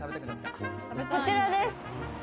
こちらです。